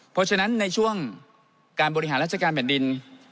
เพราะฉะนั้นในช่วงการบริหารราชการแผ่นดิน